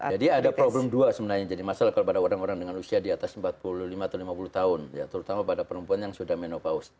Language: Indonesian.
jadi ada problem dua sebenarnya jadi masalah kalau pada orang orang dengan usia di atas empat puluh lima atau lima puluh tahun ya terutama pada perempuan yang sudah menopaus